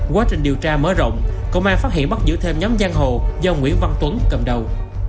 quá trình điều tra mở rộng công an phát hiện bắt giữ thêm nhóm giang hồ do nguyễn văn tuấn cầm đầu